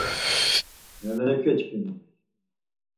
Melayekeçkimi!